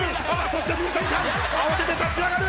そして水谷さん慌てて立ち上がる！